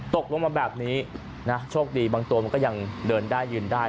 ตกลงมาแบบนี้นะโชคดีบางตัวมันก็ยังเดินได้ยืนได้